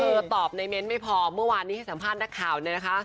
ตอบในเม้นต์ไม่พอเมื่อวานนี้ให้สัมภาษณ์นักข่าวเลยนะคะ